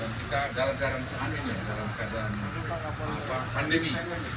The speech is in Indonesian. dan kita dalam keadaan pandemi